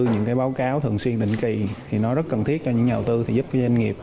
những báo cáo thường xuyên định kỳ thì nó rất cần thiết cho những nhà đầu tư thì giúp cho doanh nghiệp